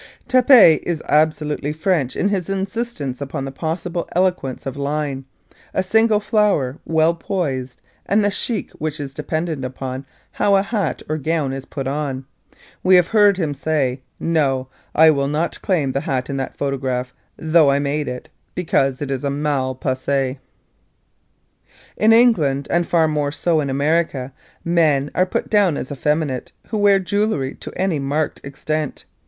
Tappé is absolutely French in his insistence upon the possible eloquence of line; a single flower well poised and the chic which is dependent upon how a hat or gown is put on. We have heard him say: "No, I will not claim the hat in that photograph, though I made it, because it is mal posé." [Illustration: Sketched for "Woman as Decoration" by Thelma Cudlipp Tappé's Creations] In England, and far more so in America, men are put down as effeminate who wear jewelry to any marked extent.